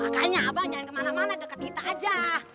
makanya abang jangan kemana mana dekat kita aja